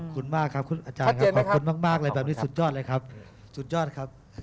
มากครับคุณอาจารย์ครับขอบคุณมากเลยแบบนี้สุดยอดเลยครับสุดยอดครับ